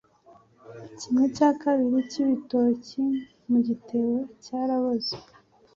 Kimwe cya kabiri cyibitoki mu gitebo cyaraboze.